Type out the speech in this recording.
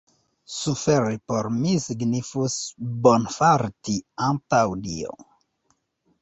Suferi por mi signifus bonfarti antaŭ Dio.